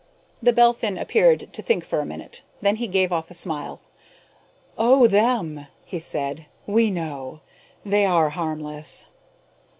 The Belphin appeared to think for a minute. Then he gave off a smile. "Oh, them," he said. "We know. They are harmless."